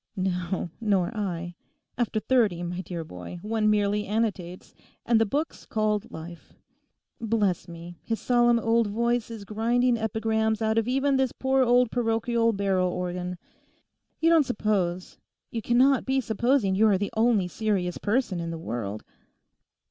'No, nor I; after thirty, my dear boy, one merely annotates, and the book's called Life. Bless me, his solemn old voice is grinding epigrams out of even this poor old parochial barrel organ. You don't suppose, you cannot be supposing you are the only serious person in the world?